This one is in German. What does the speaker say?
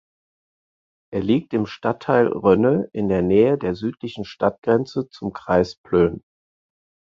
Er liegt im Stadtteil Rönne in der Nähe der südlichen Stadtgrenze zu Kreis Plön.